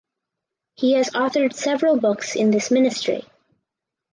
He has authored several books in this ministry.